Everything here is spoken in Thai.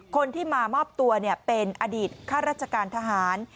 คนที่มามอบตัวเป็นอดีตข้าราชการทหาร